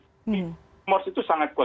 rumor itu sangat kuat